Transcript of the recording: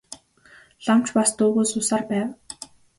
Лам ч бас дуугүй суусаар байв.